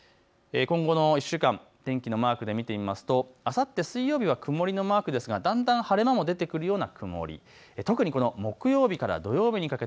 今後の１週間、天気のマークで見てみますと、あさって水曜日は曇りのマークですが、だんだん晴れ間も出てくるような曇り。